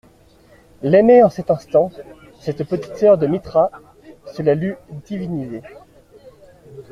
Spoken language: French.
L'aimer en cet instant, cette petite sœur de Mithra, cela l'eût divinisé.